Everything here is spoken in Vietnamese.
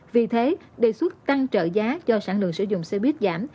vì thế đề xuất tăng trợ giá cho sản lượng sử dụng xe buýt giảm